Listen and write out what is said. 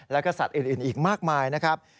แล้วก็สัตว์อื่นอีกมากมายนะครับ